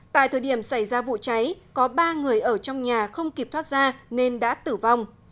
tại thời điểm xảy ra vụ cháy có ba người ở trong nhà không kịp thoát ra nên đã tử vong